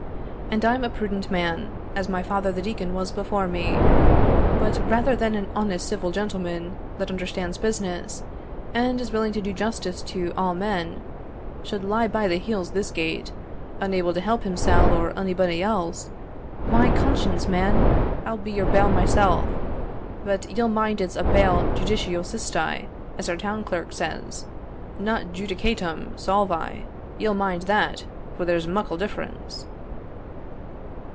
And I'm a prudent man, as my father the deacon was before me; but rather than an honest civil gentleman, that understands business, and is willing to do justice to all men, should lie by the heels this gate, unable to help himsell or onybody else why, conscience, man! I'll be your bail myself But ye'll mind it's a bail judicio sisti, as our town clerk says, not judicatum solvi; ye'll mind that, for there's muckle difference."